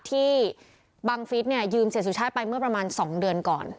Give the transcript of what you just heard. บังฟิศเนี่ยยืมเสียสุชาติไปเมื่อประมาณ๒เดือนก่อน